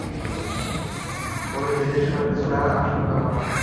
পরিস্থিতি কিছুটা আশংকাজনক।